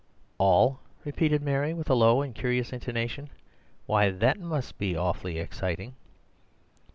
"All?" repeated Mary, with a low and curious intonation; "why, that must be awfully exciting."